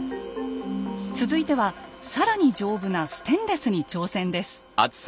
続いては更に丈夫なステンレスに挑戦です。